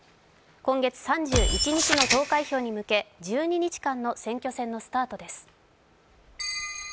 今月３１日の投開票に向け１２日間の選挙戦のスタートです。